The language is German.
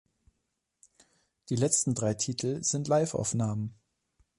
Die letzten drei Titel sind Live-Aufnahmen.